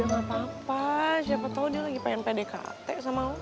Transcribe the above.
udah gapapa siapa tau dia lagi pengen pdkt sama lo